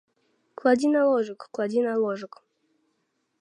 Кладзі на ложак, кладзі на ложак.